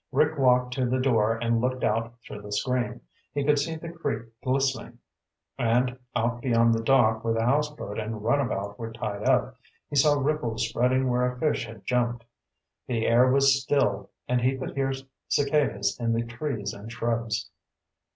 Rick walked to the door and looked out through the screen. He could see the creek glistening, and, out beyond the dock where the houseboat and runabout were tied up, he saw ripples spreading where a fish had jumped. The air was still, and he could hear cicadas in the trees and shrubs.